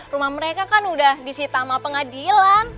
rumah mereka kan udah disitama pengadilan